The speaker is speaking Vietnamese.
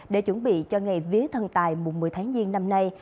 để chuẩn bị cho ngày vía thần tài một mươi hai tháng nhiên năm nay